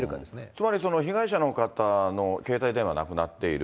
つまり、被害者の方の携帯電話がなくっている。